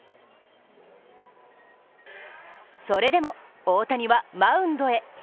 それでも大谷はマウンドへ。